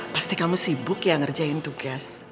pasti kamu sibuk ya ngerjain tugas